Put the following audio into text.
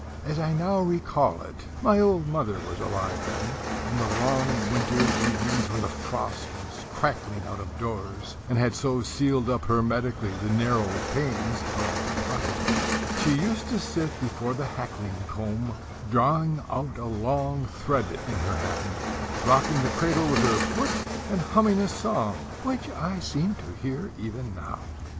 As I now recall it, my old mother was alive then, in the long winter evenings when the frost was crackling out of doors, and had so sealed up hermetically the narrow panes of our cottage, she used to sit before the hackling comb, drawing out a long thread in her hand, rocking the cradle with her foot, and humming a song, which I seem to hear even now.